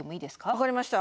分かりました。